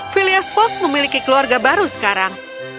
phileas fogg memiliki keluarga baru sekarang